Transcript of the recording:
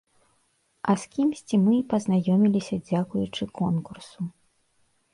А з кімсьці мы і пазнаёміліся дзякуючы конкурсу.